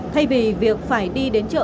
thay vì việc phải đi đến chợ